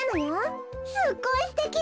すっごいすてき！